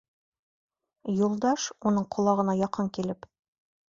Юлдаш, уның ҡолағына яҡын килеп: